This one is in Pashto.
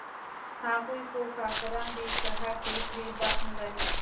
هغوى خو کافران دي چې هرڅه وکړي باک نه لري.